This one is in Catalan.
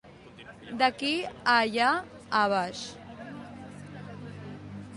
D'aquí a allà a baix.